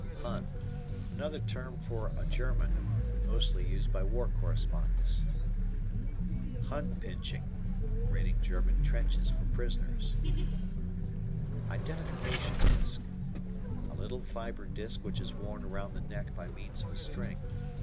Hun. Another term for a German, mostly used by war correspondents. "Hun pinching." Raiding German trenches for prisoners. I Identification Disk. A little fiber disk which is worn around the neck by means of a string.